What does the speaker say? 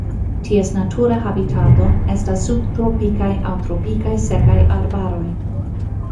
Ties natura habitato estas subtropikaj aŭ tropikaj sekaj arbaroj.